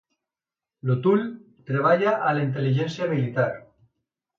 L'O'Toole treballa a la intel·ligència militar.